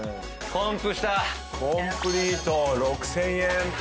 コンプリート６，０００円。